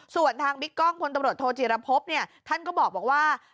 ส่วนทางวิกกล้องผู้ยมโทจิระโพฟท่านก็บอกว่า